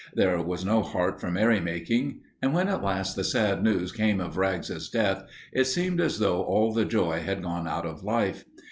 There was no heart for merrymaking. And when at last the sad news came of Rags's death, it seemed as though all the joy had gone out of life.